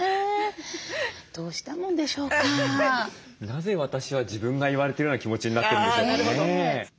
なぜ私は自分が言われてるような気持ちになってるんでしょうかね。